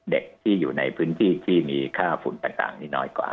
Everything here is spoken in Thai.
เด็กที่อยู่ในพื้นที่ที่มีค่าฝุ่นต่างนี่น้อยกว่า